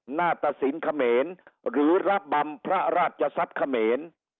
หน้าตสินเขมรหรือระบำพระราชทรัพย์เขมร